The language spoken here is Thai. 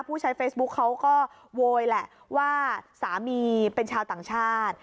ผู้ใช้เฟซบุ๊คเขาก็โวยแหละว่าสามีเป็นชาวต่างชาติ